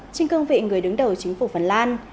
trên cương vị người đứng đầu chính phủ phần lan